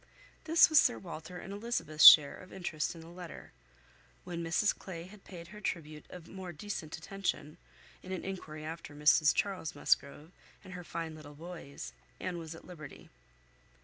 This was Sir Walter and Elizabeth's share of interest in the letter; when Mrs Clay had paid her tribute of more decent attention, in an enquiry after Mrs Charles Musgrove, and her fine little boys, Anne was at liberty.